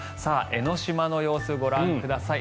江の島の様子、ご覧ください。